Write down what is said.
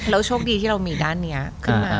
โชคดีที่เรามีด้านนี้ขึ้นมา